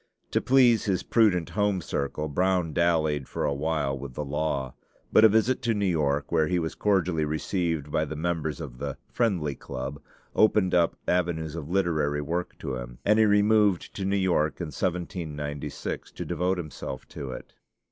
To please his prudent home circle, Brown dallied for a while with the law; but a visit to New York, where he was cordially received by the members of the "Friendly Club," opened up avenues of literary work to him, and he removed to New York in 1796 to devote himself to it.